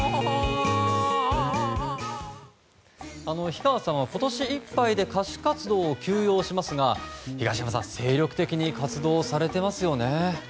氷川さんは今年いっぱいで歌手活動を休養しますが東山さん精力的に活動されてますよね。